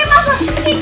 aduh ada setan di masjid